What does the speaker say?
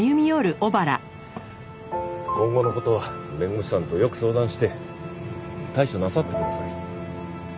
今後の事は弁護士さんとよく相談して対処なさってください。